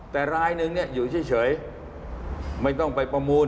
แต่รายนึงเนี่ยอยู่เฉยไม่ต้องไปประมูล